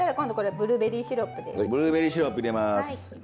ブルーベリーシロップ入れます。